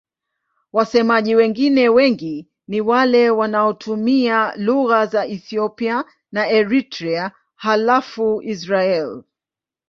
Wasemaji wengine wengi ni wale wanaotumia lugha za Ethiopia na Eritrea halafu Israel.